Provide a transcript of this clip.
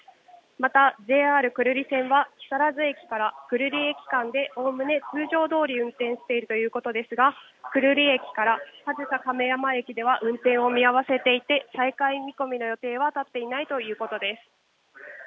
また、ＪＲ久留里線は、木更津駅から久留里駅間でおおむね通常どおり運転しているということですが、久留里駅から上総亀山駅では運転を見合わせていて、再開見込みの予定は立っていないということです。